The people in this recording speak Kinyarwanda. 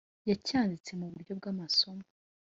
Yacyanditse mu buryo bw’amasomo,